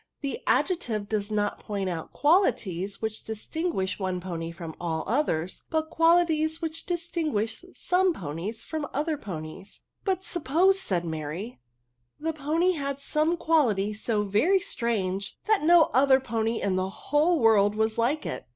The adjective does not point ou^ qualities 'which distinguish one pony &om all others, but qualities which distingijiisb some ponies from other ponies.'^ 28f AbJECTIYES. tc But suppose," said Mary, " the pony had some quality so very strange^ that no other pony in the whole world was like it.